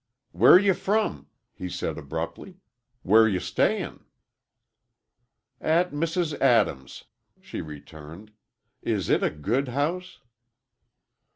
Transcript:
"Where you from?" he said, abruptly. "Where you staying?" "At Mrs. Adams," she returned, "is it a good house?"